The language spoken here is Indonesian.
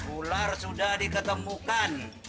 ular sudah diketemukan